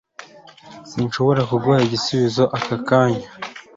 Sinshobora kuguha igisubizo ako kanya.